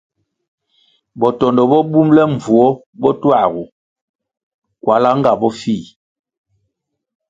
Botondo bo bumʼle mbvuo bo tuagu, kwalá nga bofih.